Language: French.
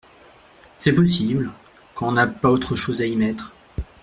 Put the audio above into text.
C’est possible… quand on n’a pas autre chose à y mettre…